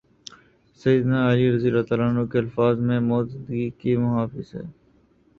سید نا علیؓ کے الفاظ میں موت زندگی کی محافظ ہے۔